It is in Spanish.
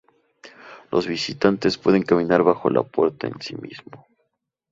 Los visitantes pueden caminar bajo la puerta en sí mismo.